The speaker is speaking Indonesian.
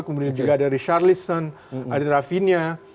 kemudian juga ada richarlison ada rafinha